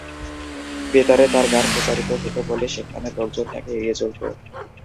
বেতারে তার গান প্রচারিত হত বলে সেখানে লোকজন তাকে এড়িয়ে চলত।